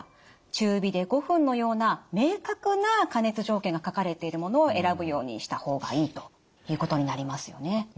「中火で５分」のような明確な加熱条件が書かれているものを選ぶようにした方がいいということになりますよね。